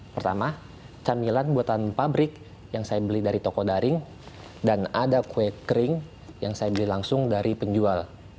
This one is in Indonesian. pertama camilan buatan pabrik yang saya beli dari toko daring dan ada kue kering yang saya beli langsung dari penjual